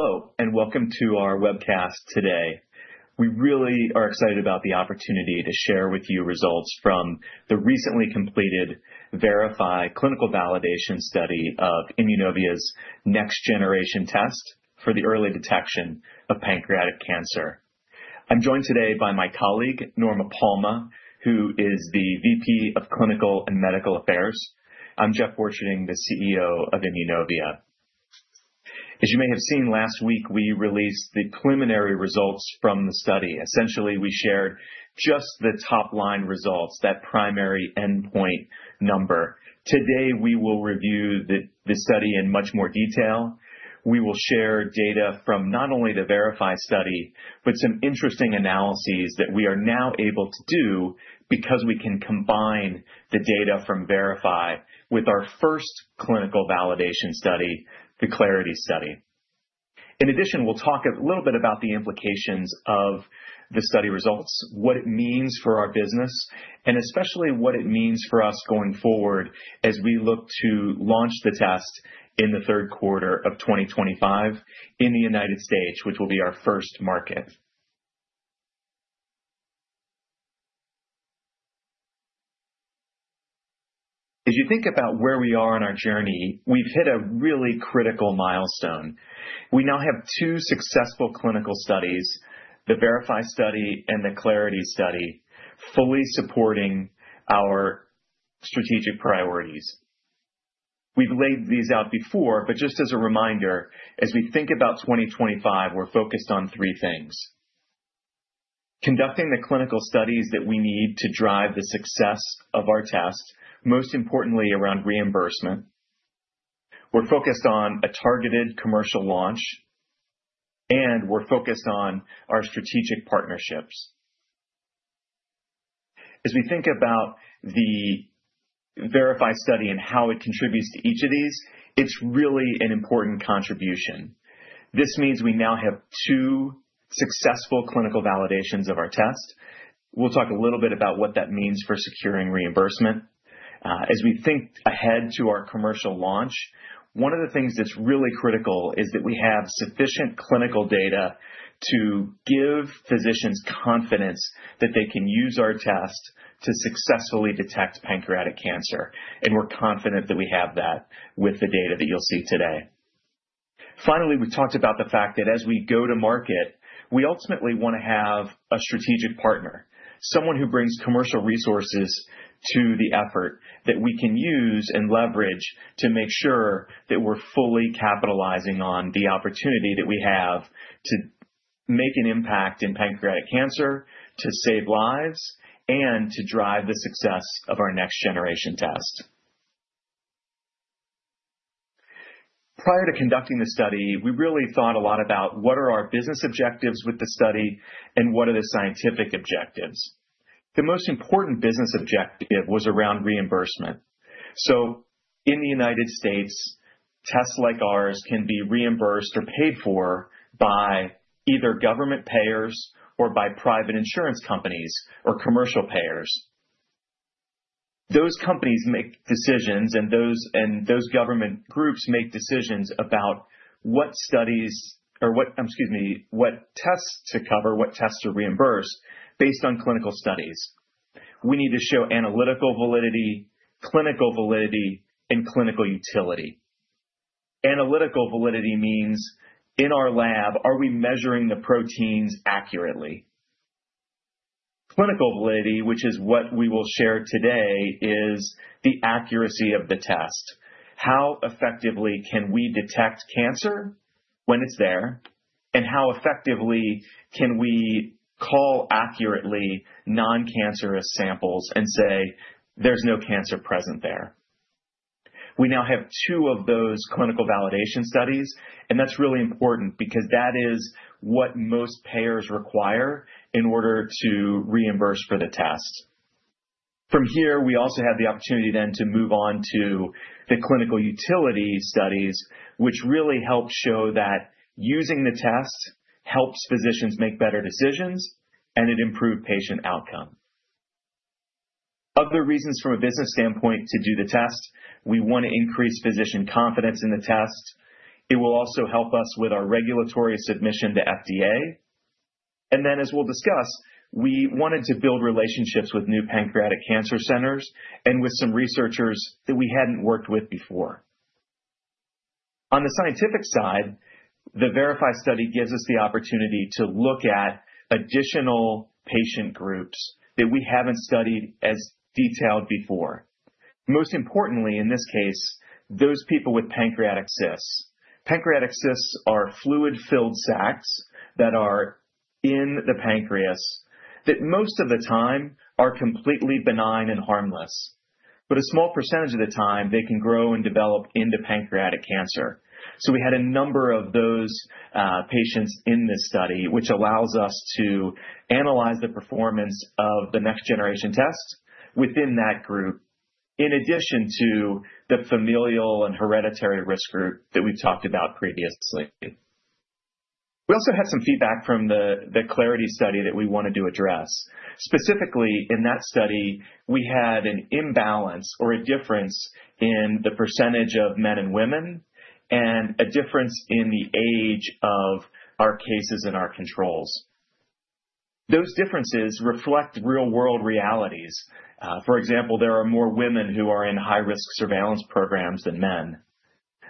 Hello, and welcome to our webcast today. We really are excited about the opportunity to share with you results from the recently completed Verify clinical validation study of Immunovia's next-generation test for the early detection of pancreatic cancer. I'm joined today by my colleague, Norma Palma, who is the VP of Clinical and Medical Affairs. I'm Jeff Borcherding, the CEO of Immunovia. As you may have seen last week, we released the preliminary results from the study. Essentially, we shared just the top-line results, that primary endpoint number. Today, we will review the study in much more detail. We will share data from not only the Verify study, but some interesting analyses that we are now able to do because we can combine the data from Verify with our first clinical validation study, the CLARITY study. In addition, we'll talk a little bit about the implications of the study results, what it means for our business, and especially what it means for us going forward as we look to launch the test in the third quarter of 2025 in the United States, which will be our first market. As you think about where we are in our journey, we've hit a really critical milestone. We now have two successful clinical studies, the Verify study and the CLARITY study, fully supporting our strategic priorities. We've laid these out before, but just as a reminder, as we think about 2025, we're focused on three things: conducting the clinical studies that we need to drive the success of our test, most importantly around reimbursement. We're focused on a targeted commercial launch, and we're focused on our strategic partnerships. As we think about the Verify study and how it contributes to each of these, it's really an important contribution. This means we now have two successful clinical validations of our test. We'll talk a little bit about what that means for securing reimbursement. As we think ahead to our commercial launch, one of the things that's really critical is that we have sufficient clinical data to give physicians confidence that they can use our test to successfully detect pancreatic cancer. We're confident that we have that with the data that you'll see today. Finally, we talked about the fact that as we go to market, we ultimately want to have a strategic partner, someone who brings commercial resources to the effort that we can use and leverage to make sure that we're fully capitalizing on the opportunity that we have to make an impact in pancreatic cancer, to save lives, and to drive the success of our next-generation test. Prior to conducting the study, we really thought a lot about what are our business objectives with the study and what are the scientific objectives. The most important business objective was around reimbursement. In the United States, tests like ours can be reimbursed or paid for by either government payers or by private insurance companies or commercial payers. Those companies make decisions, and those government groups make decisions about what studies or, excuse me, what tests to cover, what tests to reimburse based on clinical studies. We need to show analytical validity, clinical validity, and clinical utility. Analytical validity means, in our lab, are we measuring the proteins accurately? Clinical validity, which is what we will share today, is the accuracy of the test. How effectively can we detect cancer when it's there, and how effectively can we call accurately non-cancerous samples and say there's no cancer present there? We now have two of those clinical validation studies, and that's really important because that is what most payers require in order to reimburse for the test. From here, we also have the opportunity then to move on to the clinical utility studies, which really help show that using the test helps physicians make better decisions, and it improves patient outcome. Other reasons from a business standpoint to do the test: we want to increase physician confidence in the test. It will also help us with our regulatory submission to FDA. As we'll discuss, we wanted to build relationships with new pancreatic cancer centers and with some researchers that we hadn't worked with before. On the scientific side, the Verify study gives us the opportunity to look at additional patient groups that we haven't studied as detailed before. Most importantly, in this case, those people with pancreatic cysts. Pancreatic cysts are fluid-filled sacs that are in the pancreas that most of the time are completely benign and harmless. A small percentage of the time, they can grow and develop into pancreatic cancer. We had a number of those patients in this study, which allows us to analyze the performance of the next-generation test within that group, in addition to the familial and hereditary risk group that we've talked about previously. We also had some feedback from the CLARITY study that we wanted to address. Specifically, in that study, we had an imbalance or a difference in the percentage of men and women and a difference in the age of our cases and our controls. Those differences reflect real-world realities. For example, there are more women who are in high-risk surveillance programs than men.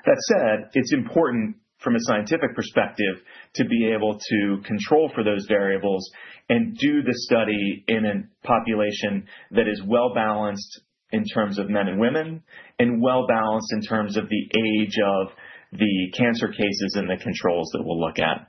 That said, it's important from a scientific perspective to be able to control for those variables and do the study in a population that is well-balanced in terms of men and women and well-balanced in terms of the age of the cancer cases and the controls that we'll look at.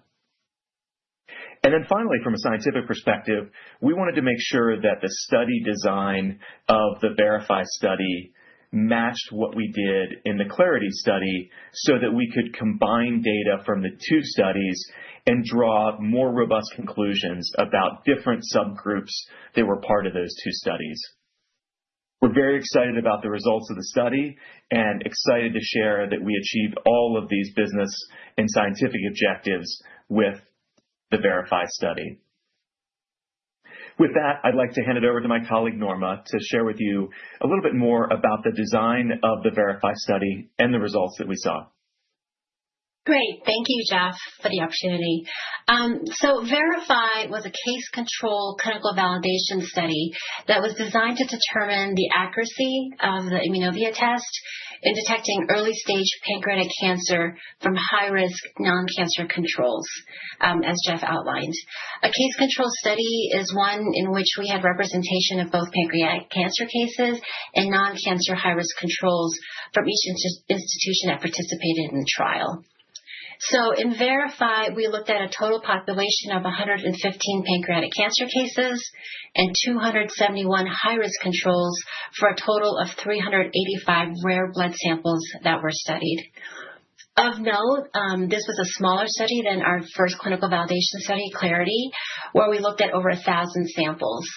Finally, from a scientific perspective, we wanted to make sure that the study design of the Verify study matched what we did in the CLARITY study so that we could combine data from the two studies and draw more robust conclusions about different subgroups that were part of those two studies. We're very excited about the results of the study and excited to share that we achieved all of these business and scientific objectives with the Verify study. With that, I'd like to hand it over to my colleague, Norma, to share with you a little bit more about the design of the Verify study and the results that we saw. Great. Thank you, Jeff, for the opportunity. Verify was a case-control clinical validation study that was designed to determine the accuracy of the Immunovia test in detecting early-stage pancreatic cancer from high-risk non-cancer controls, as Jeff outlined. A case-control study is one in which we had representation of both pancreatic cancer cases and non-cancer high-risk controls from each institution that participated in the trial. In Verify, we looked at a total population of 115 pancreatic cancer cases and 271 high-risk controls for a total of 385 rare blood samples that were studied. Of note, this was a smaller study than our first clinical validation study, CLARITY, where we looked at over 1,000 samples.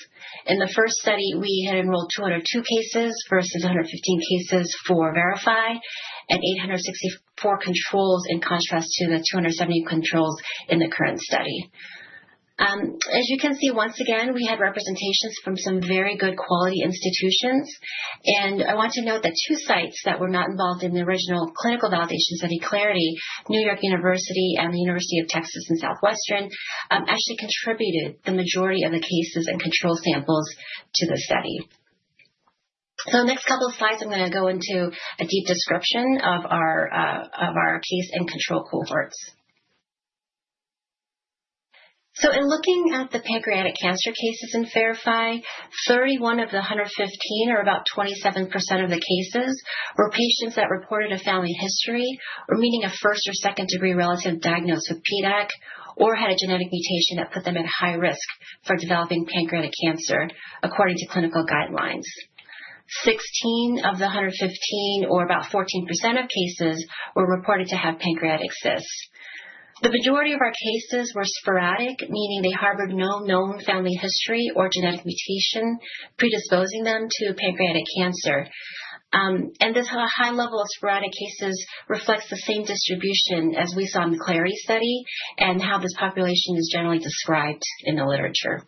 In the first study, we had enrolled 202 cases versus 115 cases for Verify and 864 controls in contrast to the 270 controls in the current study. As you can see, once again, we had representations from some very good quality institutions. I want to note that two sites that were not involved in the original clinical validation study, CLARITY, New York University and the University of Texas Southwestern, actually contributed the majority of the cases and control samples to the study. Next couple of slides, I'm going to go into a deep description of our case and control cohorts. In looking at the pancreatic cancer cases in Verify, 31 of the 115 or about 27% of the cases were patients that reported a family history, meaning a first or second-degree relative diagnosed with PDAC or had a genetic mutation that put them at high risk for developing pancreatic cancer, according to clinical guidelines. 16 of the 115 or about 14% of cases were reported to have pancreatic cysts. The majority of our cases were sporadic, meaning they harbored no known family history or genetic mutation predisposing them to pancreatic cancer. This high level of sporadic cases reflects the same distribution as we saw in the CLARITY study and how this population is generally described in the literature.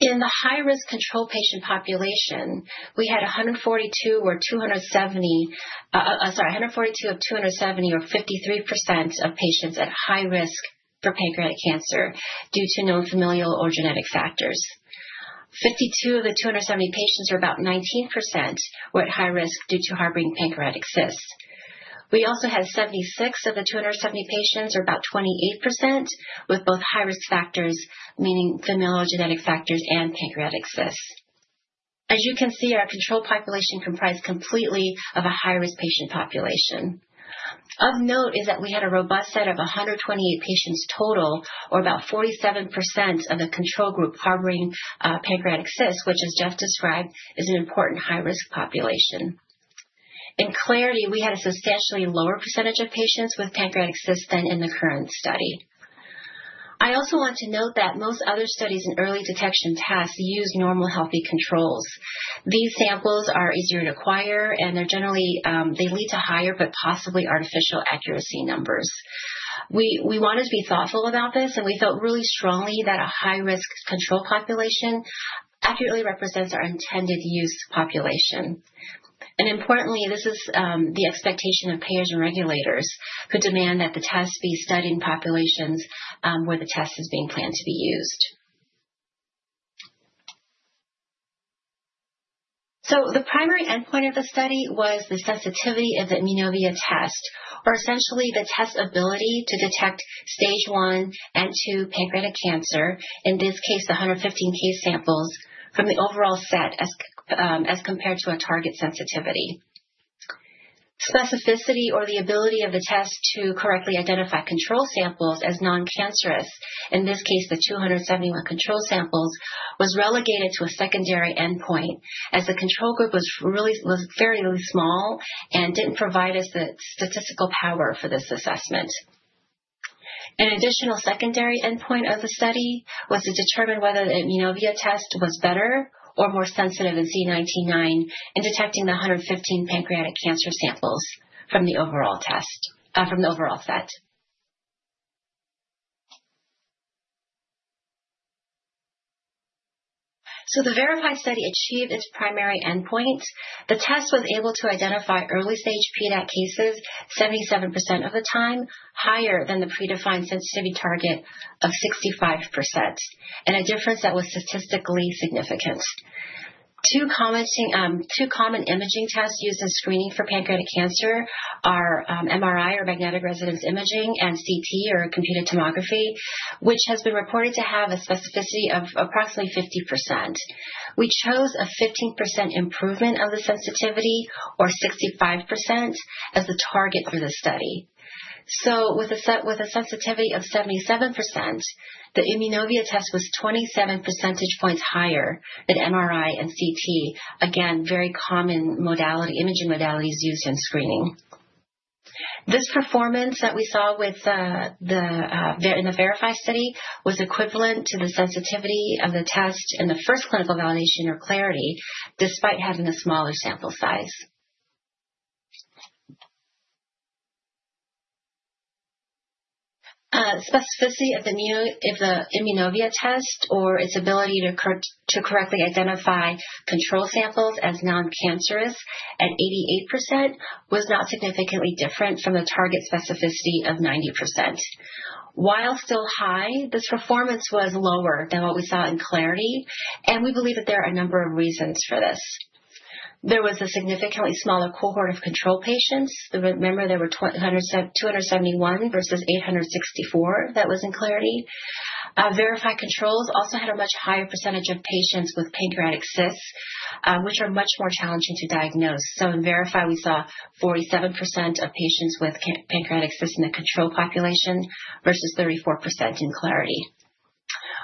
In the high-risk control patient population, we had 142 of 270, or 53%, of patients at high risk for pancreatic cancer due to known familial or genetic factors. Fifty-two of the 270 patients, or about 19%, were at high risk due to harboring pancreatic cysts. We also had 76 of the 270 patients, or about 28%, with both high-risk factors, meaning familial genetic factors and pancreatic cysts. As you can see, our control population comprised completely of a high-risk patient population. Of note is that we had a robust set of 128 patients total, or about 47% of the control group harboring pancreatic cysts, which, as Jeff described, is an important high-risk population. In CLARITY, we had a substantially lower percentage of patients with pancreatic cysts than in the current study. I also want to note that most other studies in early detection tests use normal healthy controls. These samples are easier to acquire, and they lead to higher, but possibly artificial accuracy numbers. We wanted to be thoughtful about this, and we felt really strongly that a high-risk control population accurately represents our intended use population. Importantly, this is the expectation of payers and regulators who demand that the test be studied in populations where the test is being planned to be used. The primary endpoint of the study was the sensitivity of the Immunovia test, or essentially the test's ability to detect stage I and II pancreatic cancer, in this case, 115 case samples from the overall set as compared to a target sensitivity. Specificity, or the ability of the test to correctly identify control samples as non-cancerous, in this case, the 271 control samples, was relegated to a secondary endpoint as the control group was very small and did not provide us the statistical power for this assessment. An additional secondary endpoint of the study was to determine whether the Immunovia test was better or more sensitive than CA 19-9 in detecting the 115 pancreatic cancer samples from the overall set. The Verify study achieved its primary endpoint. The test was able to identify early-stage PDAC cases 77% of the time, higher than the predefined sensitivity target of 65%, and a difference that was statistically significant. Two common imaging tests used in screening for pancreatic cancer are MRI or magnetic resonance imaging and CT or computed tomography, which has been reported to have a specificity of approximately 50%. We chose a 15% improvement of the sensitivity, or 65%, as the target for the study. With a sensitivity of 77%, the Immunovia test was 27 percentage points higher than MRI and CT, again, very common imaging modalities used in screening. This performance that we saw in the Verify study was equivalent to the sensitivity of the test in the first clinical validation or CLARITY, despite having a smaller sample size. Specificity of the Immunovia test, or its ability to correctly identify control samples as non-cancerous at 88%, was not significantly different from the target specificity of 90%. While still high, this performance was lower than what we saw in CLARITY, and we believe that there are a number of reasons for this. There was a significantly smaller cohort of control patients. Remember, there were 271 versus 864 that was in CLARITY. Verify controls also had a much higher percentage of patients with pancreatic cysts, which are much more challenging to diagnose. In Verify, we saw 47% of patients with pancreatic cysts in the control population versus 34% in CLARITY.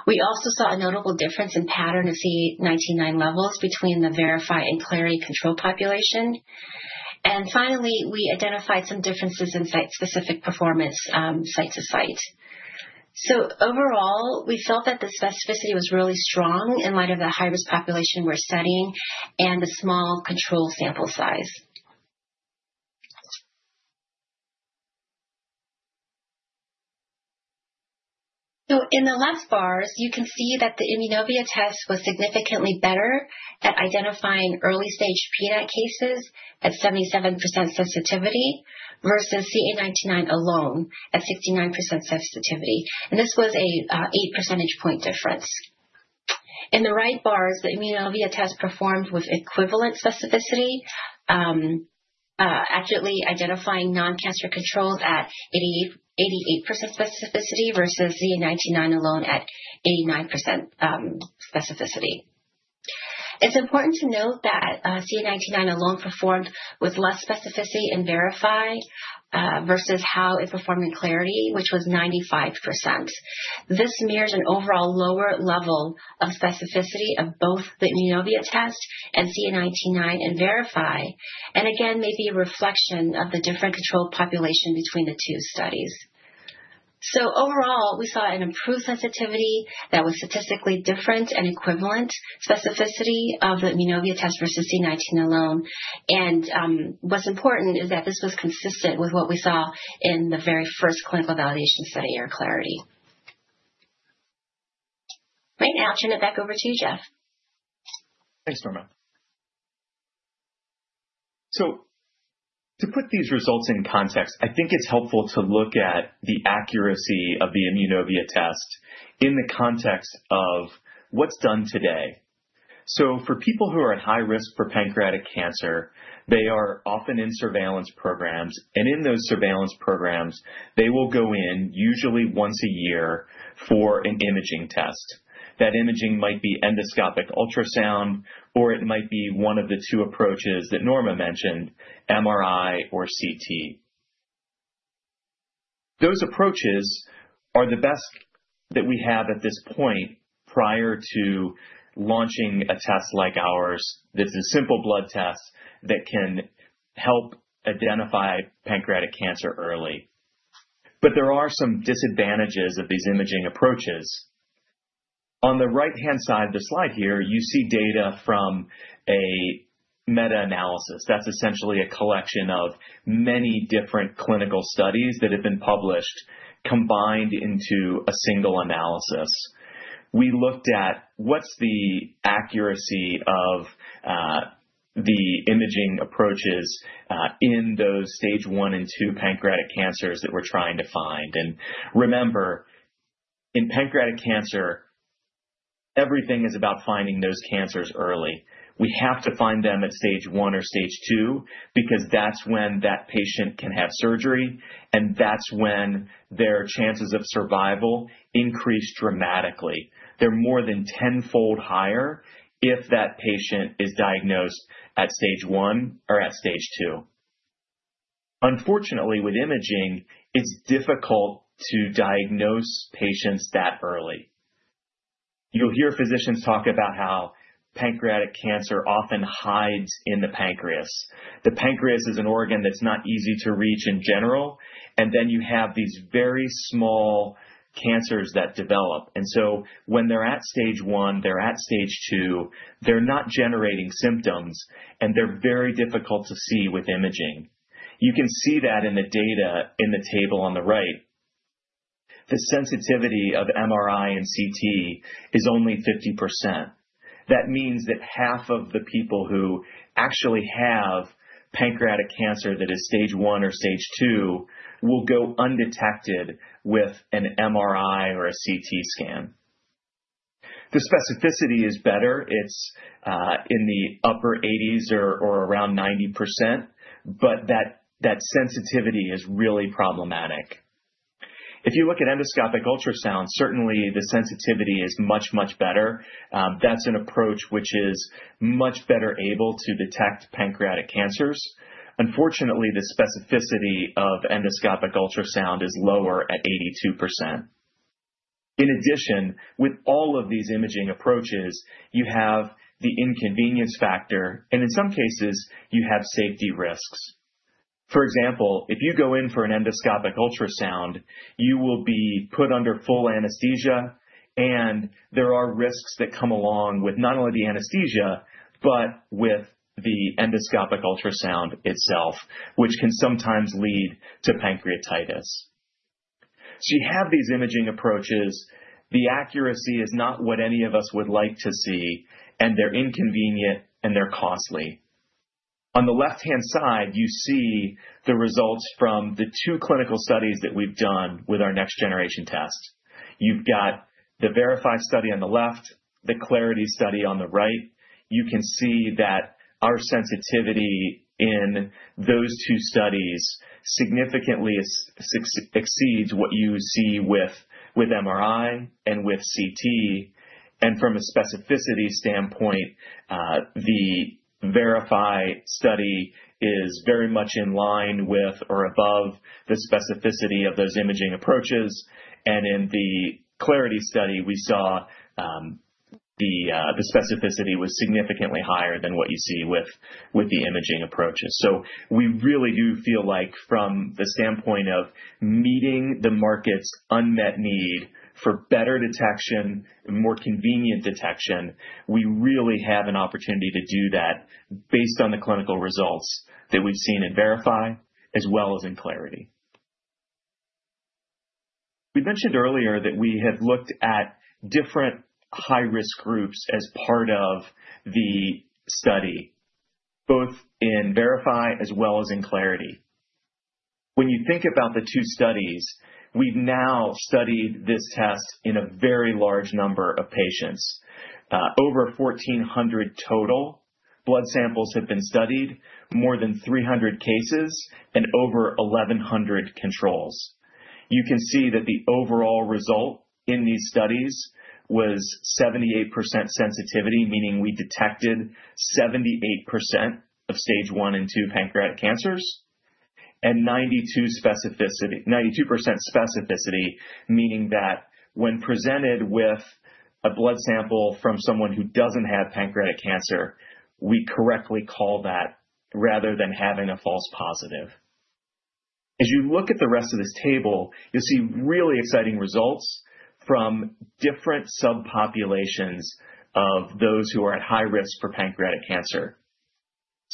We also saw a notable difference in pattern of CA 19-9 levels between the Verify and CLARITY control population. Finally, we identified some differences in site-specific performance site to site. Overall, we felt that the specificity was really strong in light of the high-risk population we're studying and the small control sample size. In the left bars, you can see that the Immunovia test was significantly better at identifying early-stage PDAC cases at 77% sensitivity versus CA 19-9 alone at 69% sensitivity. This was an 8 percentage point difference. In the right bars, the Immunovia test performed with equivalent specificity, accurately identifying non-cancer controls at 88% specificity versus CA 19-9 alone at 89% specificity. It's important to note that CA 19-9 alone performed with less specificity in Verify versus how it performed in CLARITY, which was 95%. This mirrors an overall lower level of specificity of both the Immunovia test andCA 19-9 in Verify, and again, may be a reflection of the different control population between the two studies. Overall, we saw an improved sensitivity that was statistically different and equivalent specificity of the Immunovia test versus CA 19-9 alone. What's important is that this was consistent with what we saw in the very first clinical validation study or CLARITY. Right now, I'll turn it back over to you, Jeff. Thanks, Norma. To put these results in context, I think it's helpful to look at the accuracy of the Immunovia test in the context of what's done today. For people who are at high risk for pancreatic cancer, they are often in surveillance programs. In those surveillance programs, they will go in usually once a year for an imaging test. That imaging might be endoscopic ultrasound, or it might be one of the two approaches that Norma mentioned, MRI or CT. Those approaches are the best that we have at this point prior to launching a test like ours that's a simple blood test that can help identify pancreatic cancer early. There are some disadvantages of these imaging approaches. On the right-hand side of the slide here, you see data from a meta-analysis. That's essentially a collection of many different clinical studies that have been published combined into a single analysis. We looked at what's the accuracy of the imaging approaches in those stage I and II pancreatic cancers that we're trying to find. Remember, in pancreatic cancer, everything is about finding those cancers early. We have to find them at stage I or stage II because that's when that patient can have surgery, and that's when their chances of survival increase dramatically. They're more than tenfold higher if that patient is diagnosed at stage I or at stage II. Unfortunately, with imaging, it's difficult to diagnose patients that early. You'll hear physicians talk about how pancreatic cancer often hides in the pancreas. The pancreas is an organ that's not easy to reach in general. You have these very small cancers that develop. When they're at stage I, they're at stage II, they're not generating symptoms, and they're very difficult to see with imaging. You can see that in the data in the table on the right. The sensitivity of MRI and CT is only 50%. That means that half of the people who actually have pancreatic cancer that is stage I or stage II will go undetected with an MRI or a CT scan. The specificity is better. It's in the upper 80s or around 90%, but that sensitivity is really problematic. If you look at endoscopic ultrasound, certainly the sensitivity is much, much better. That's an approach which is much better able to detect pancreatic cancers. Unfortunately, the specificity of endoscopic ultrasound is lower at 82%. In addition, with all of these imaging approaches, you have the inconvenience factor, and in some cases, you have safety risks. For example, if you go in for an endoscopic ultrasound, you will be put under full anesthesia, and there are risks that come along with not only the anesthesia but with the endoscopic ultrasound itself, which can sometimes lead to pancreatitis. You have these imaging approaches. The accuracy is not what any of us would like to see, and they're inconvenient, and they're costly. On the left-hand side, you see the results from the two clinical studies that we've done with our next-generation test. You've got the Verify study on the left, the CLARITY study on the right. You can see that our sensitivity in those two studies significantly exceeds what you see with MRI and with CT. From a specificity standpoint, the Verify study is very much in line with or above the specificity of those imaging approaches. In the CLARITY study, we saw the specificity was significantly higher than what you see with the imaging approaches. We really do feel like from the standpoint of meeting the market's unmet need for better detection and more convenient detection, we really have an opportunity to do that based on the clinical results that we've seen in Verify as well as in CLARITY. We mentioned earlier that we have looked at different high-risk groups as part of the study, both in Verify as well as in CLARITY. When you think about the two studies, we've now studied this test in a very large number of patients. Over 1,400 total blood samples have been studied, more than 300 cases, and over 1,100 controls. You can see that the overall result in these studies was 78% sensitivity, meaning we detected 78% of stage I and II pancreatic cancers, and 92% specificity, meaning that when presented with a blood sample from someone who doesn't have pancreatic cancer, we correctly call that rather than having a false positive. As you look at the rest of this table, you'll see really exciting results from different subpopulations of those who are at high risk for pancreatic cancer.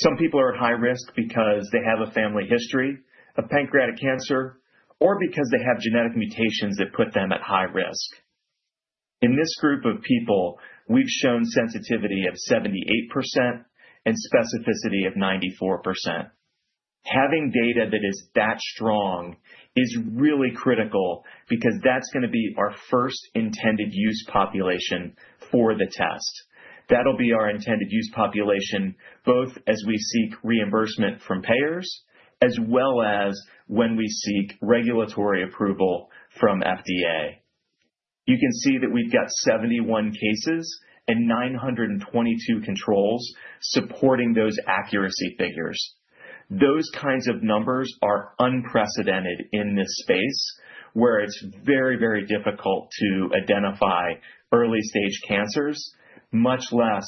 Some people are at high risk because they have a family history of pancreatic cancer or because they have genetic mutations that put them at high risk. In this group of people, we've shown sensitivity of 78% and specificity of 94%. Having data that is that strong is really critical because that's going to be our first intended use population for the test. That'll be our intended use population both as we seek reimbursement from payers as well as when we seek regulatory approval from FDA. You can see that we've got 71 cases and 922 controls supporting those accuracy figures. Those kinds of numbers are unprecedented in this space where it's very, very difficult to identify early-stage cancers, much less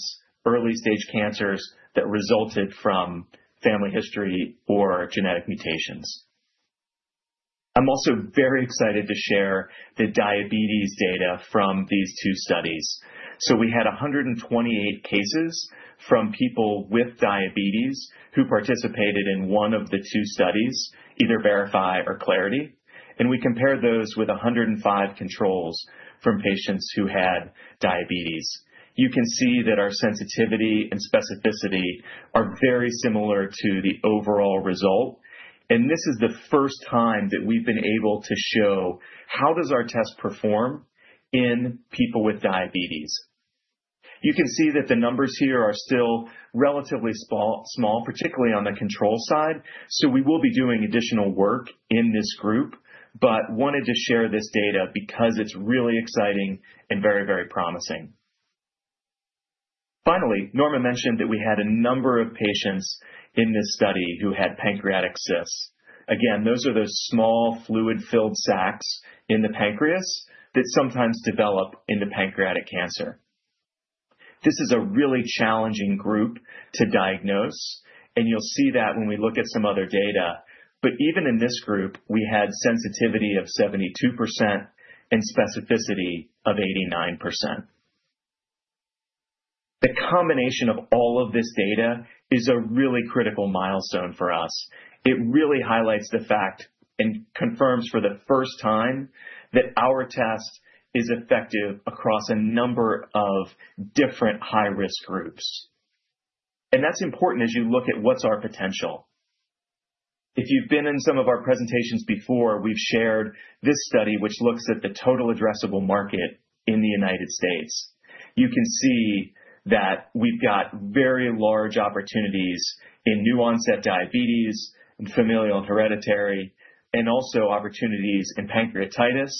early-stage cancers that resulted from family history or genetic mutations. I'm also very excited to share the diabetes data from these two studies. We had 128 cases from people with diabetes who participated in one of the two studies, either Verify or CLARITY, and we compared those with 105 controls from patients who had diabetes. You can see that our sensitivity and specificity are very similar to the overall result. This is the first time that we've been able to show how does our test perform in people with diabetes. You can see that the numbers here are still relatively small, particularly on the control side. We will be doing additional work in this group, but wanted to share this data because it's really exciting and very, very promising. Finally, Norma mentioned that we had a number of patients in this study who had pancreatic cysts. Again, those are those small fluid-filled sacs in the pancreas that sometimes develop into pancreatic cancer. This is a really challenging group to diagnose, and you'll see that when we look at some other data. Even in this group, we had sensitivity of 72% and specificity of 89%. The combination of all of this data is a really critical milestone for us. It really highlights the fact and confirms for the first time that our test is effective across a number of different high-risk groups. That is important as you look at what is our potential. If you have been in some of our presentations before, we have shared this study which looks at the total addressable market in the United States. You can see that we have very large opportunities in new-onset diabetes, familial and hereditary, and also opportunities in pancreatitis.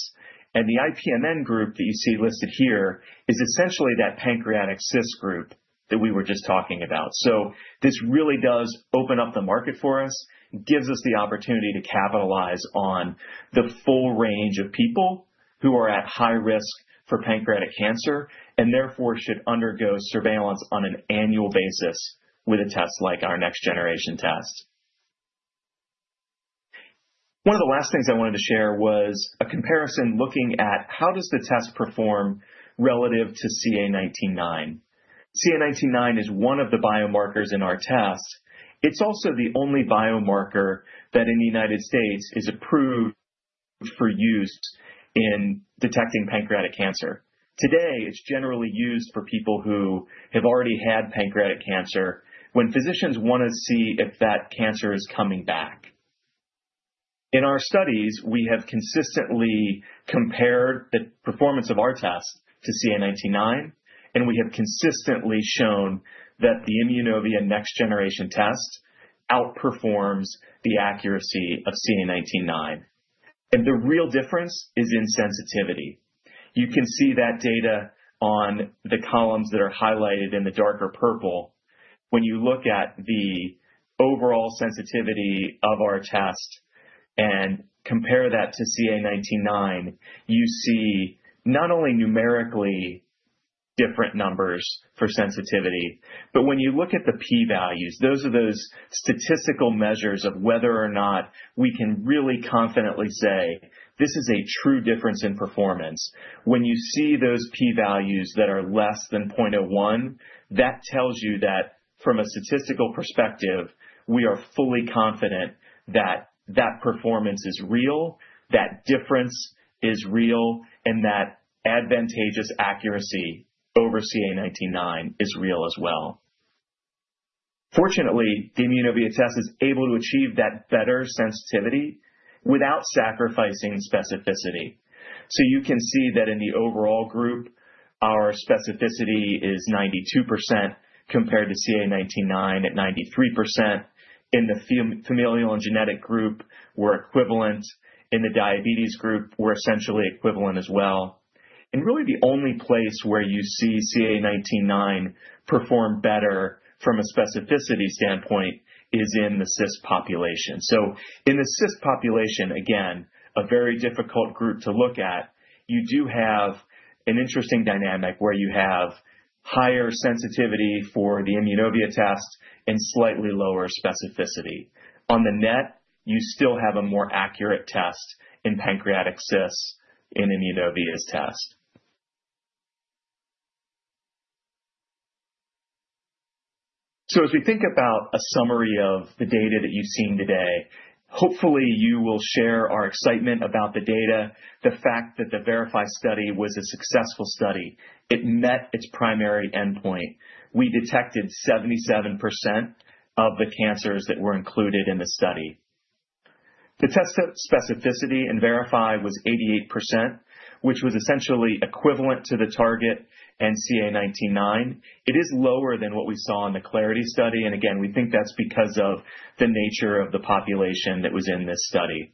The IPMN group that you see listed here is essentially that pancreatic cyst group that we were just talking about. This really does open up the market for us, gives us the opportunity to capitalize on the full range of people who are at high risk for pancreatic cancer and therefore should undergo surveillance on an annual basis with a test like our next-generation test. One of the last things I wanted to share was a comparison looking at how does the test perform relative to CA 19-9. CA 19-9 is one of the biomarkers in our test. It's also the only biomarker that in the United States is approved for use in detecting pancreatic cancer. Today, it's generally used for people who have already had pancreatic cancer when physicians want to see if that cancer is coming back. In our studies, we have consistently compared the performance of our test to CA 19-9, and we have consistently shown that the Immunovia next-generation test outperforms the accuracy of CA 19-9. The real difference is in sensitivity. You can see that data on the columns that are highlighted in the darker purple. When you look at the overall sensitivity of our test and compare that to CA 19-9, you see not only numerically different numbers for sensitivity, but when you look at the p-values, those are those statistical measures of whether or not we can really confidently say, "This is a true difference in performance." When you see those p-values that are less than 0.01, that tells you that from a statistical perspective, we are fully confident that that performance is real, that difference is real, and that advantageous accuracy over CA 19-9 is real as well. Fortunately, the Immunovia test is able to achieve that better sensitivity without sacrificing specificity. You can see that in the overall group, our specificity is 92% compared to CA 19-9 at 93%. In the familial and genetic group, we're equivalent. In the diabetes group, we're essentially equivalent as well. Really, the only place where you see CA 19-9 perform better from a specificity standpoint is in the cyst population. In the cyst population, again, a very difficult group to look at, you do have an interesting dynamic where you have higher sensitivity for the Immunovia test and slightly lower specificity. On the net, you still have a more accurate test in pancreatic cysts in Immunovia's test. As we think about a summary of the data that you've seen today, hopefully, you will share our excitement about the data, the fact that the Verify study was a successful study. It met its primary endpoint. We detected 77% of the cancers that were included in the study. The test specificity in Verify was 88%, which was essentially equivalent to the target and CA 19-9. It is lower than what we saw in the CLARITY study. We think that's because of the nature of the population that was in this study.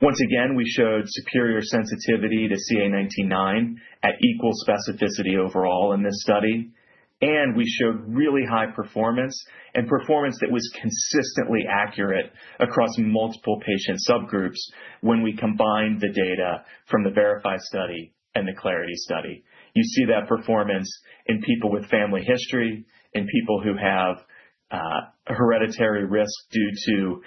Once again, we showed superior sensitivity toCA 19-9 at equal specificity overall in this study. We showed really high performance and performance that was consistently accurate across multiple patient subgroups when we combined the data from the Verify study and the CLARITY study. You see that performance in people with family history, in people who have hereditary risk due to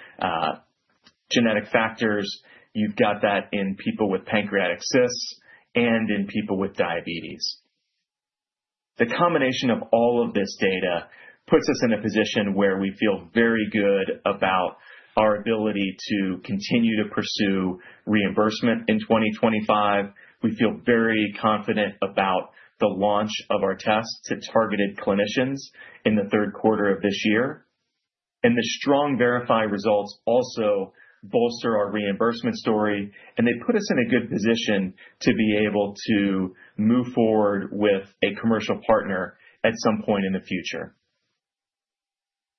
genetic factors. You've got that in people with pancreatic cysts and in people with diabetes. The combination of all of this data puts us in a position where we feel very good about our ability to continue to pursue reimbursement in 2025. We feel very confident about the launch of our test to targeted clinicians in the third quarter of this year. The strong Verify results also bolster our reimbursement story, and they put us in a good position to be able to move forward with a commercial partner at some point in the future.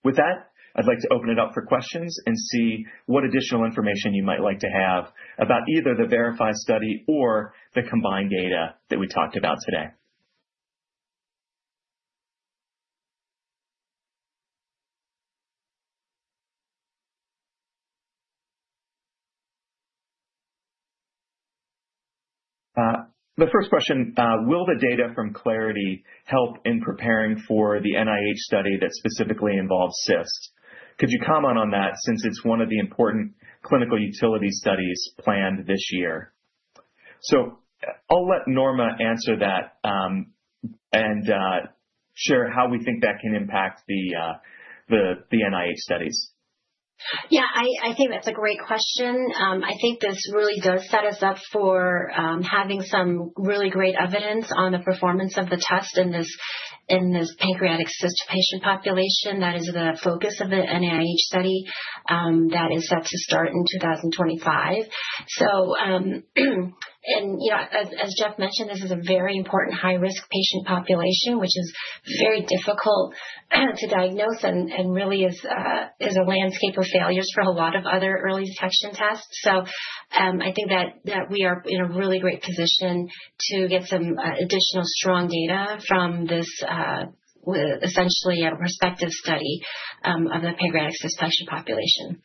With that, I'd like to open it up for questions and see what additional information you might like to have about either the Verify study or the combined data that we talked about today. The first question: Will the data from CLARITY help in preparing for the NIH study that specifically involves cysts? Could you comment on that since it's one of the important clinical utility studies planned this year? I'll let Norma answer that and share how we think that can impact the NIH studies. Yeah, I think that's a great question. I think this really does set us up for having some really great evidence on the performance of the test in this pancreatic cyst patient population that is the focus of the NIH study that is set to start in 2025. As Jeff mentioned, this is a very important high-risk patient population, which is very difficult to diagnose and really is a landscape of failures for a lot of other early detection tests. I think that we are in a really great position to get some additional strong data from this, essentially a prospective study of the pancreatic cyst patient population.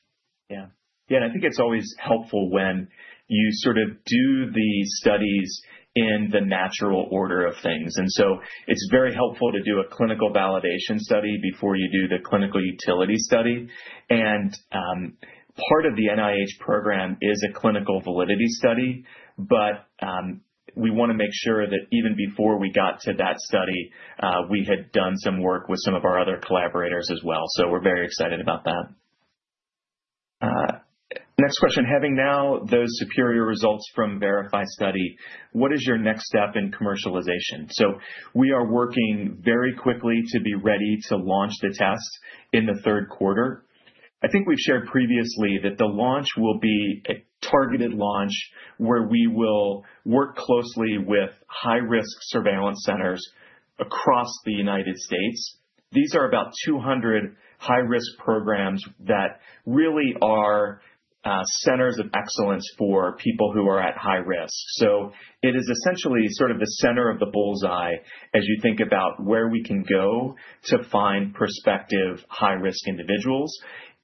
Yeah. Yeah, I think it's always helpful when you sort of do the studies in the natural order of things. It is very helpful to do a clinical validation study before you do the clinical utility study. Part of the NIH program is a clinical validity study, but we want to make sure that even before we got to that study, we had done some work with some of our other collaborators as well. We are very excited about that. Next question: Having now those superior results from the Verify study, what is your next step in commercialization? We are working very quickly to be ready to launch the test in the third quarter. I think we've shared previously that the launch will be a targeted launch where we will work closely with high-risk surveillance centers across the United States. These are about 200 high-risk programs that really are centers of excellence for people who are at high risk. It is essentially sort of the center of the bullseye as you think about where we can go to find prospective high-risk individuals.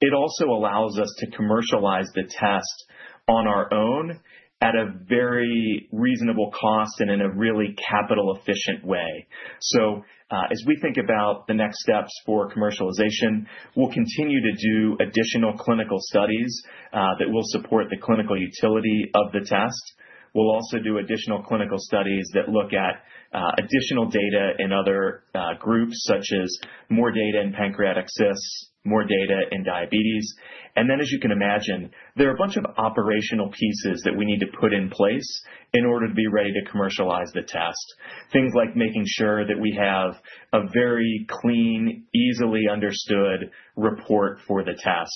It also allows us to commercialize the test on our own at a very reasonable cost and in a really capital-efficient way. As we think about the next steps for commercialization, we'll continue to do additional clinical studies that will support the clinical utility of the test. We'll also do additional clinical studies that look at additional data in other groups, such as more data in pancreatic cysts, more data in diabetes. As you can imagine, there are a bunch of operational pieces that we need to put in place in order to be ready to commercialize the test. Things like making sure that we have a very clean, easily understood report for the test,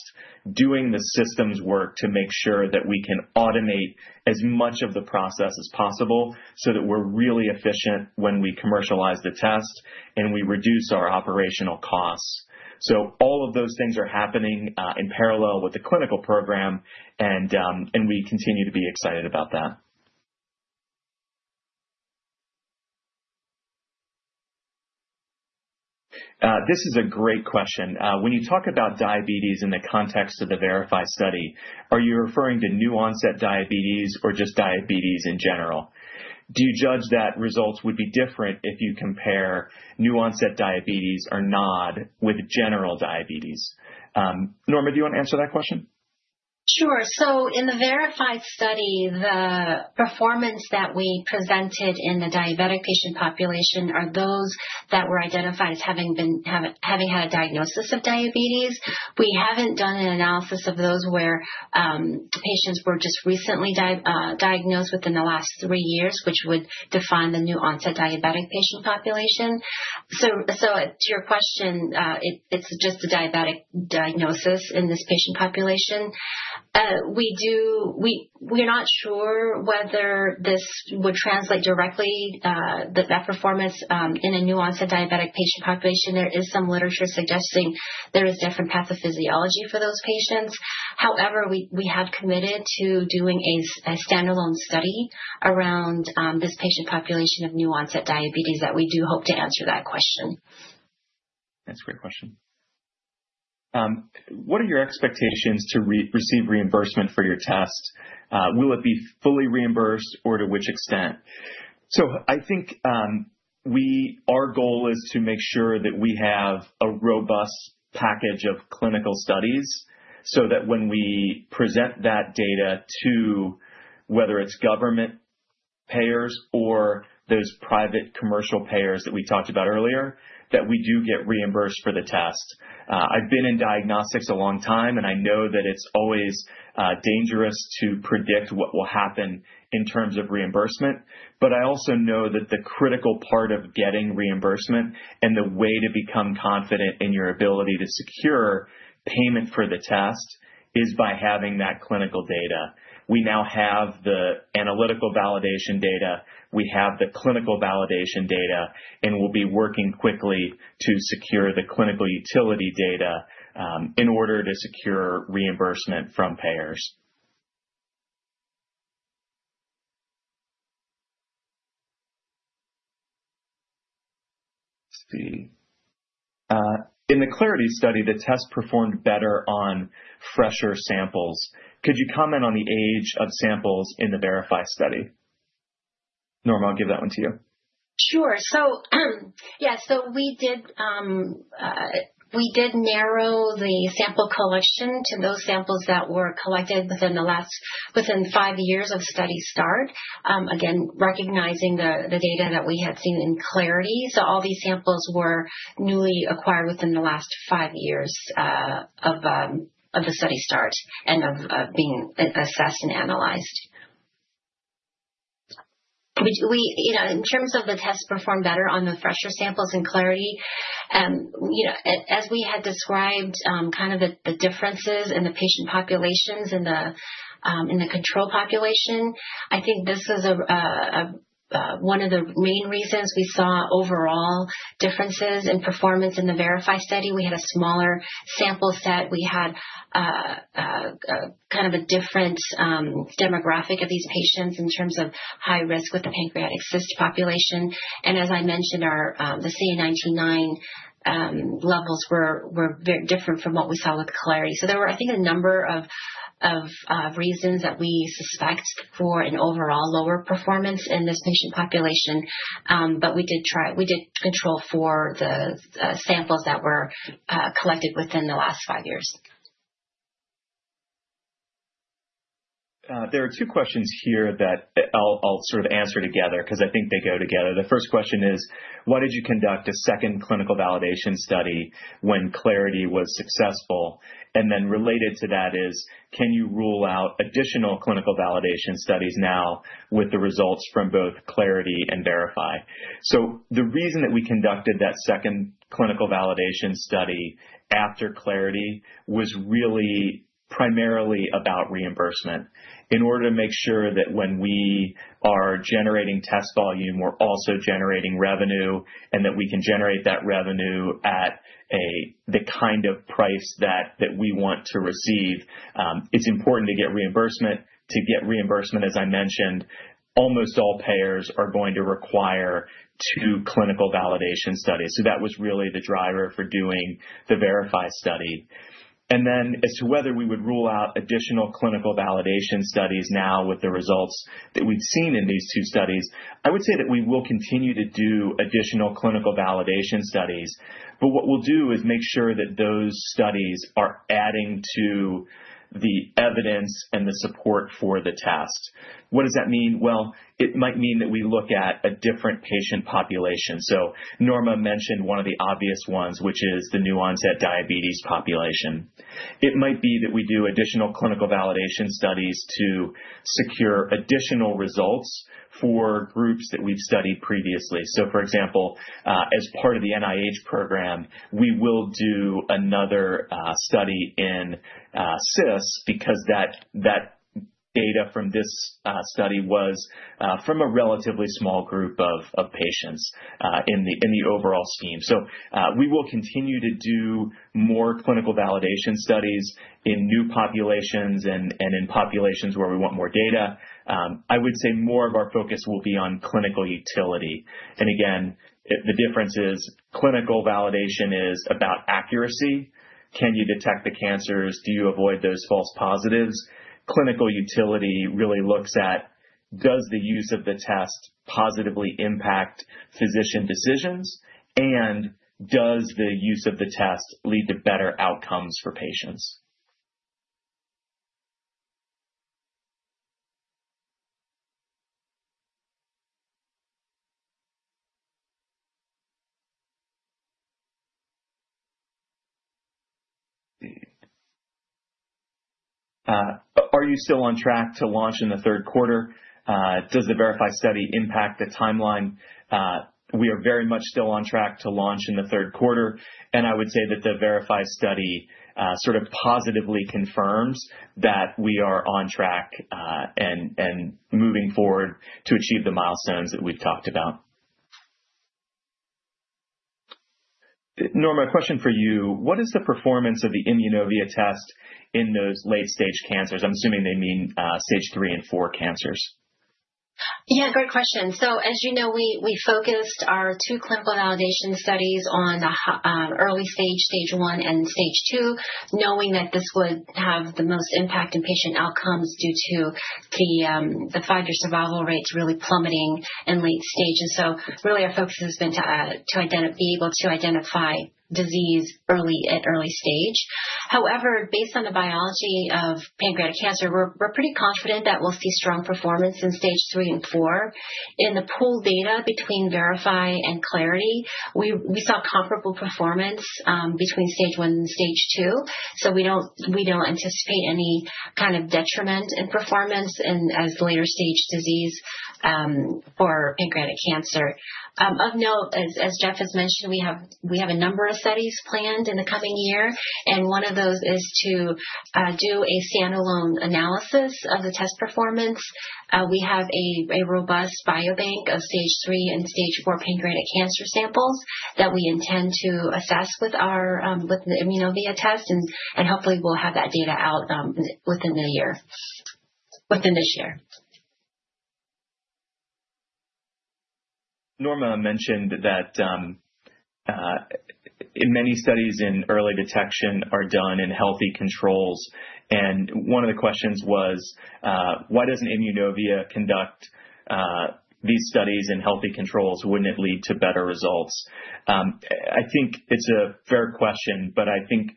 doing the systems work to make sure that we can automate as much of the process as possible so that we're really efficient when we commercialize the test and we reduce our operational costs. All of those things are happening in parallel with the clinical program, and we continue to be excited about that. This is a great question. When you talk about diabetes in the context of the Verify study, are you referring to new-onset diabetes or just diabetes in general? Do you judge that results would be different if you compare new-onset diabetes or NOD with general diabetes? Norma, do you want to answer that question? Sure. In the Verify study, the performance that we presented in the diabetic patient population are those that were identified as having had a diagnosis of diabetes. We haven't done an analysis of those where patients were just recently diagnosed within the last three years, which would define the new-onset diabetic patient population. To your question, it's just a diabetic diagnosis in this patient population. We're not sure whether this would translate directly, that performance in a new-onset diabetic patient population. There is some literature suggesting there is different pathophysiology for those patients. However, we have committed to doing a standalone study around this patient population of new-onset diabetes that we do hope to answer that question. That's a great question. What are your expectations to receive reimbursement for your test? Will it be fully reimbursed or to which extent? I think our goal is to make sure that we have a robust package of clinical studies so that when we present that data to whether it's government payers or those private commercial payers that we talked about earlier, that we do get reimbursed for the test. I've been in diagnostics a long time, and I know that it's always dangerous to predict what will happen in terms of reimbursement. I also know that the critical part of getting reimbursement and the way to become confident in your ability to secure payment for the test is by having that clinical data. We now have the analytical validation data. We have the clinical validation data, and we'll be working quickly to secure the clinical utility data in order to secure reimbursement from payers. Let's see. In the CLARITY study, the test performed better on fresher samples. Could you comment on the age of samples in the Verify study? Norma, I'll give that one to you. Sure. Yeah, we did narrow the sample collection to those samples that were collected within five years of study start, again, recognizing the data that we had seen in CLARITY. All these samples were newly acquired within the last five years of the study start and of being assessed and analyzed. In terms of the tests performed better on the fresher samples in CLARITY, as we had described kind of the differences in the patient populations in the control population, I think this is one of the main reasons we saw overall differences in performance in the Verify study. We had a smaller sample set. We had kind of a different demographic of these patients in terms of high risk with the pancreatic cyst population. As I mentioned, the CA 19-9 levels were very different from what we saw with CLARITY. There were, I think, a number of reasons that we suspect for an overall lower performance in this patient population. We did control for the samples that were collected within the last five years. There are two questions here that I'll sort of answer together because I think they go together. The first question is, why did you conduct a second clinical validation study when CLARITY was successful? Related to that is, can you rule out additional clinical validation studies now with the results from both CLARITY and Verify? The reason that we conducted that second clinical validation study after CLARITY was really primarily about reimbursement in order to make sure that when we are generating test volume, we're also generating revenue and that we can generate that revenue at the kind of price that we want to receive. It's important to get reimbursement. To get reimbursement, as I mentioned, almost all payers are going to require two clinical validation studies. That was really the driver for doing the Verify study. As to whether we would rule out additional clinical validation studies now with the results that we've seen in these two studies, I would say that we will continue to do additional clinical validation studies. What we'll do is make sure that those studies are adding to the evidence and the support for the test. What does that mean? It might mean that we look at a different patient population. Norma mentioned one of the obvious ones, which is the new-onset diabetes population. It might be that we do additional clinical validation studies to secure additional results for groups that we've studied previously. For example, as part of the NIH program, we will do another study in cysts because that data from this study was from a relatively small group of patients in the overall scheme. We will continue to do more clinical validation studies in new populations and in populations where we want more data. I would say more of our focus will be on clinical utility. Again, the difference is clinical validation is about accuracy. Can you detect the cancers? Do you avoid those false positives? Clinical utility really looks at, does the use of the test positively impact physician decisions? Does the use of the test lead to better outcomes for patients? Are you still on track to launch in the third quarter? Does the Verify study impact the timeline? We are very much still on track to launch in the third quarter. I would say that the Verify study sort of positively confirms that we are on track and moving forward to achieve the milestones that we've talked about. Norma, a question for you. What is the performance of the Immunovia test in those late-stage cancers? I'm assuming they mean stage three and four cancers. Yeah, great question. As you know, we focused our two clinical validation studies on early stage, stage one, and stage two, knowing that this would have the most impact in patient outcomes due to the five-year survival rates really plummeting in late stages. Really, our focus has been to be able to identify disease at early stage. However, based on the biology of pancreatic cancer, we're pretty confident that we'll see strong performance in stage three and four. In the pooled data between Verify and CLARITY, we saw comparable performance between stage one and stage two. We don't anticipate any kind of detriment in performance as later-stage disease for pancreatic cancer. Of note, as Jeff has mentioned, we have a number of studies planned in the coming year. One of those is to do a standalone analysis of the test performance. We have a robust biobank of stage three and stage four pancreatic cancer samples that we intend to assess with the Immunovia test. Hopefully, we'll have that data out within this year. Norma mentioned that many studies in early detection are done in healthy controls. One of the questions was, why doesn't Immunovia conduct these studies in healthy controls? Wouldn't it lead to better results? I think it's a fair question, but I think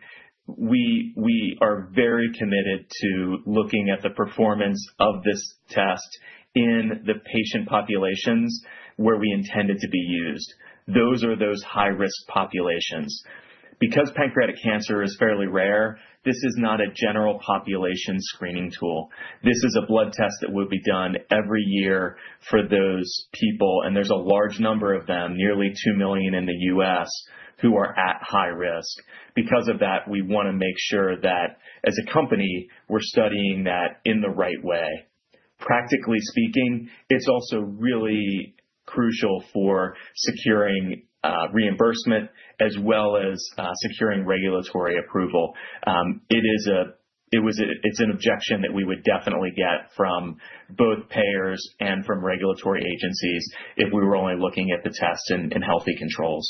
we are very committed to looking at the performance of this test in the patient populations where we intend it to be used. Those are those high-risk populations. Because pancreatic cancer is fairly rare, this is not a general population screening tool. This is a blood test that will be done every year for those people. There's a large number of them, nearly 2 million in the US, who are at high risk. Because of that, we want to make sure that as a company, we're studying that in the right way. Practically speaking, it's also really crucial for securing reimbursement as well as securing regulatory approval. It's an objection that we would definitely get from both payers and from regulatory agencies if we were only looking at the tests in healthy controls.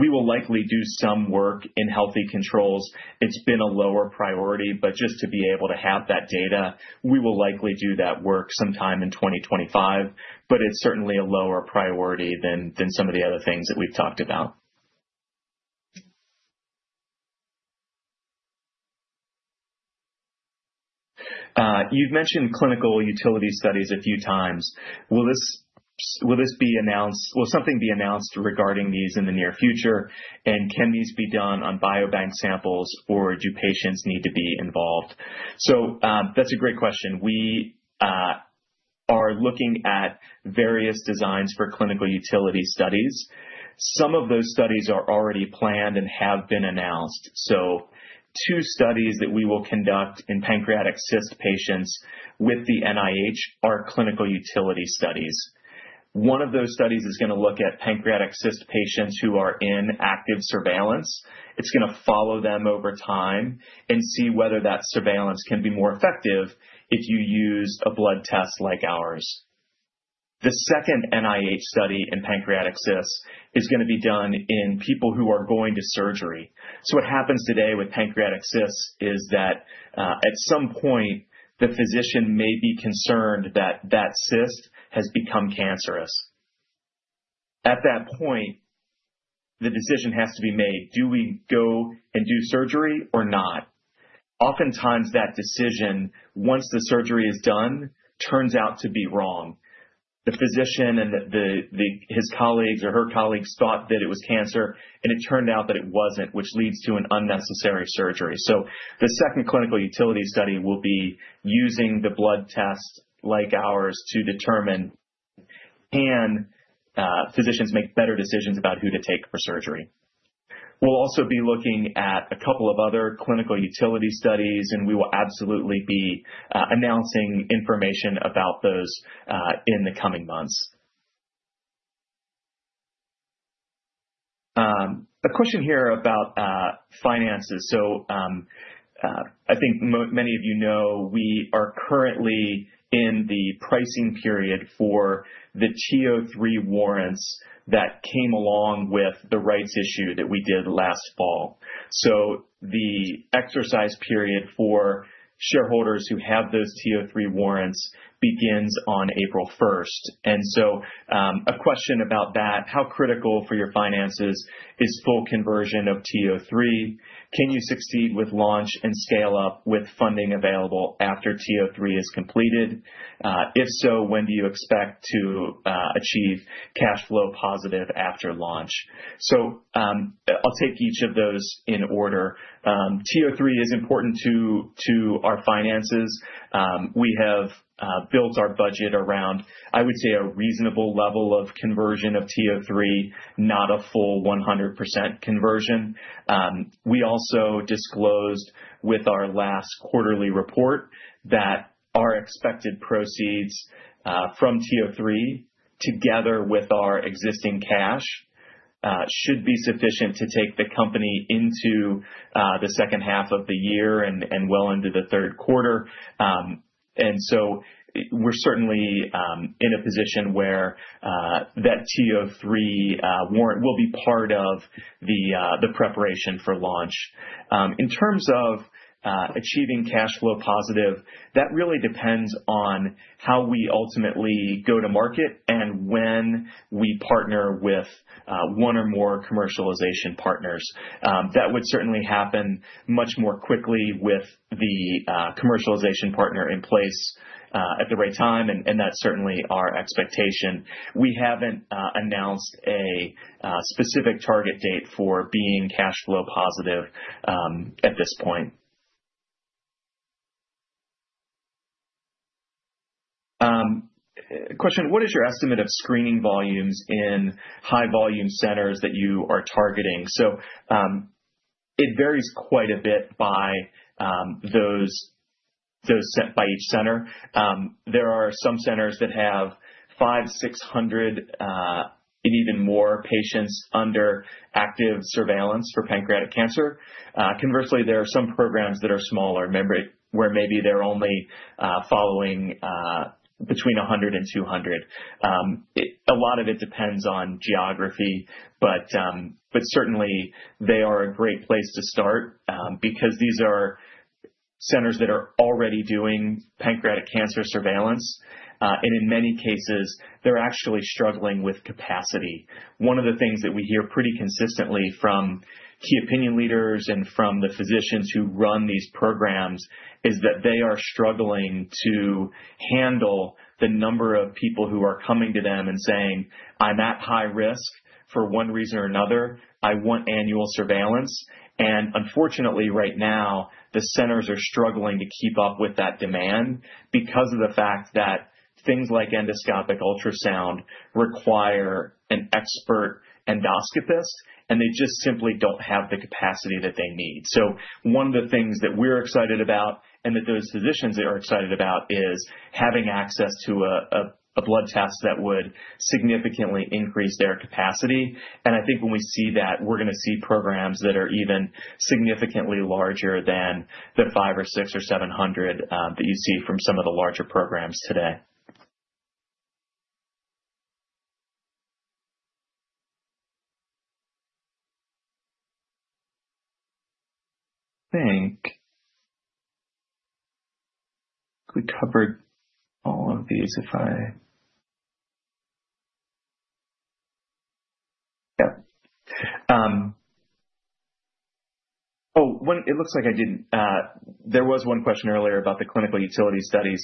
We will likely do some work in healthy controls. It's been a lower priority, but just to be able to have that data, we will likely do that work sometime in 2025. It is certainly a lower priority than some of the other things that we've talked about. You've mentioned clinical utility studies a few times. Will something be announced regarding these in the near future? Can these be done on biobank samples, or do patients need to be involved? That's a great question. We are looking at various designs for clinical utility studies. Some of those studies are already planned and have been announced. Two studies that we will conduct in pancreatic cyst patients with the NIH are clinical utility studies. One of those studies is going to look at pancreatic cyst patients who are in active surveillance. It's going to follow them over time and see whether that surveillance can be more effective if you use a blood test like ours. The second NIH study in pancreatic cysts is going to be done in people who are going to surgery. What happens today with pancreatic cysts is that at some point, the physician may be concerned that that cyst has become cancerous. At that point, the decision has to be made. Do we go and do surgery or not? Oftentimes, that decision, once the surgery is done, turns out to be wrong. The physician and his colleagues or her colleagues thought that it was cancer, and it turned out that it wasn't, which leads to an unnecessary surgery. The second clinical utility study will be using the blood test like ours to determine can physicians make better decisions about who to take for surgery. We'll also be looking at a couple of other clinical utility studies, and we will absolutely be announcing information about those in the coming months. A question here about finances. I think many of you know we are currently in the pricing period for the TO3 warrants that came along with the rights issue that we did last fall. The exercise period for shareholders who have those TO3 warrants begins on April 1. A question about that. How critical for your finances is full conversion of TO3? Can you succeed with launch and scale up with funding available after TO3 is completed? If so, when do you expect to achieve cash flow positive after launch? I'll take each of those in order. TO3 is important to our finances. We have built our budget around, I would say, a reasonable level of conversion of TO3, not a full 100% conversion. We also disclosed with our last quarterly report that our expected proceeds from TO3, together with our existing cash, should be sufficient to take the company into the second half of the year and well into the third quarter. We are certainly in a position where that TO3 warrant will be part of the preparation for launch. In terms of achieving cash flow positive, that really depends on how we ultimately go to market and when we partner with one or more commercialization partners. That would certainly happen much more quickly with the commercialization partner in place at the right time, and that's certainly our expectation. We haven't announced a specific target date for being cash flow positive at this point. Question. What is your estimate of screening volumes in high-volume centers that you are targeting? It varies quite a bit by those set by each center. There are some centers that have 500, 600, and even more patients under active surveillance for pancreatic cancer. Conversely, there are some programs that are smaller where maybe they're only following between 100 and 200. A lot of it depends on geography, but certainly, they are a great place to start because these are centers that are already doing pancreatic cancer surveillance. In many cases, they're actually struggling with capacity. One of the things that we hear pretty consistently from key opinion leaders and from the physicians who run these programs is that they are struggling to handle the number of people who are coming to them and saying, "I'm at high risk for one reason or another. I want annual surveillance." Unfortunately, right now, the centers are struggling to keep up with that demand because of the fact that things like endoscopic ultrasound require an expert endoscopist, and they just simply do not have the capacity that they need. One of the things that we are excited about and that those physicians are excited about is having access to a blood test that would significantly increase their capacity. I think when we see that, we're going to see programs that are even significantly larger than the 500 or 600 or 700 that you see from some of the larger programs today. I think we covered all of these if I yep. Oh, it looks like I didn't. There was one question earlier about the clinical utility studies.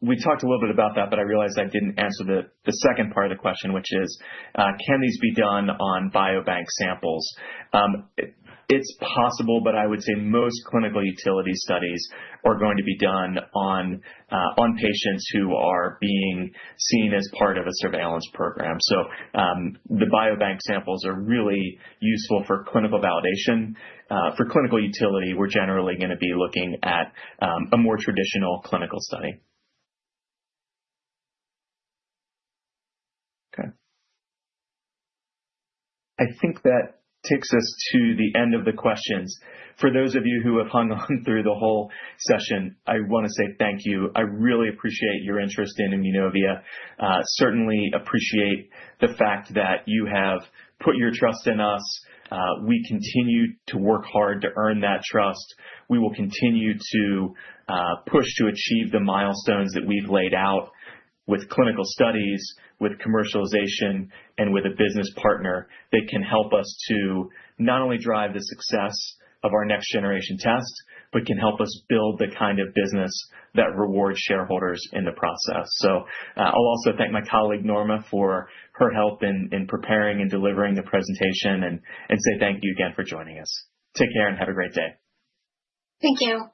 We talked a little bit about that, but I realized I didn't answer the second part of the question, which is, can these be done on biobank samples? It's possible, but I would say most clinical utility studies are going to be done on patients who are being seen as part of a surveillance program. The biobank samples are really useful for clinical validation. For clinical utility, we're generally going to be looking at a more traditional clinical study. Okay. I think that takes us to the end of the questions. For those of you who have hung on through the whole session, I want to say thank you. I really appreciate your interest in Immunovia. Certainly appreciate the fact that you have put your trust in us. We continue to work hard to earn that trust. We will continue to push to achieve the milestones that we've laid out with clinical studies, with commercialization, and with a business partner that can help us to not only drive the success of our next-generation test, but can help us build the kind of business that rewards shareholders in the process. I will also thank my colleague, Norma, for her help in preparing and delivering the presentation and say thank you again for joining us. Take care and have a great day. Thank you.